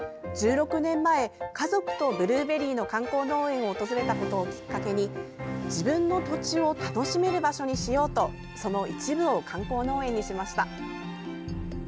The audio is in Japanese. １６年前、家族とブルーベリーの観光農園を訪れたことをきっかけに自分の土地を楽しめる場所にしようとその一部を観光農園にしました。